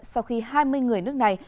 sau khi hai mươi người nước này